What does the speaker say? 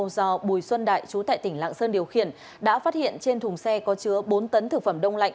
do bùi xuân đại chú tại tỉnh lạng sơn điều khiển đã phát hiện trên thùng xe có chứa bốn tấn thực phẩm đông lạnh